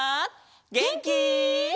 げんき？